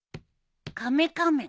カメカメン。